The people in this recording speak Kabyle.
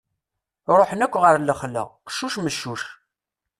Ruḥen akk ɣer lexla: qeccuc meccuc.